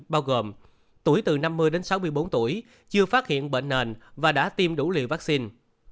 bao gồm tuổi từ năm mươi đến sáu mươi bốn tuổi chưa phát hiện bệnh nền và đã tiêm đủ liều vaccine